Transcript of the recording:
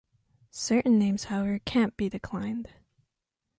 Certain names, however, can’t be declined.